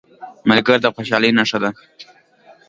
ملګری د خوشحالۍ نښه ده